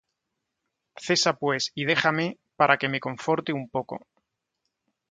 Cesa pues, y déjame, para que me conforte un poco.